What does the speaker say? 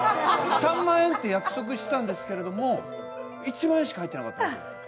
３万円って約束したんですけれども１万円しか入ってなかった。